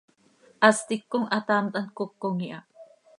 Hast hipcom hataamt hant cocom iha.